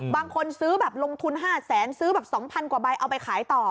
บางคนซื้อแบบลงทุน๕แสนซื้อแบบ๒๐๐กว่าใบเอาไปขายต่อ